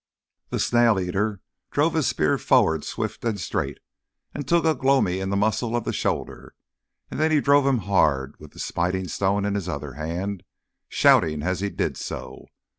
The Snail eater drove his spear forward swift and straight, and took Ugh lomi in the muscle of the shoulder, and then he drove him hard with the smiting stone in his other hand, shouting out as he did so.